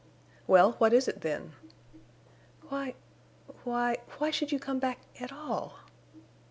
"Well, what is it, then?" "Why—why—why should you come back at all?"